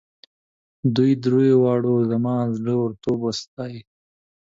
دوی دریو واړو زما زړه ورتوب وستایه.